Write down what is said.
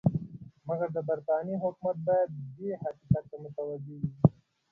مګر د برټانیې حکومت باید دې حقیقت ته متوجه وي.